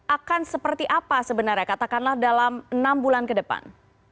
akan seperti apa sebenarnya katakanlah dalam enam bulan ke depan